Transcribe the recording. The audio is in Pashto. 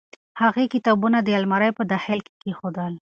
هغې کتابونه د المارۍ په داخل کې کېښودل.